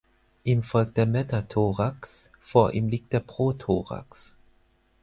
Ihm folgt der Metathorax, vor ihm liegt der Prothorax.